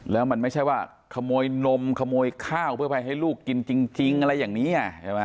แล้วมันไม่ใช่ว่าขโมยนมขโมยข้าวเพื่อไปให้ลูกกินจริงอะไรอย่างนี้ใช่ไหม